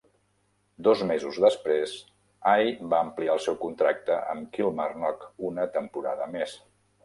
Dos mesos després, Hay va ampliar el seu contracte amb Kilmarnock una temporada més.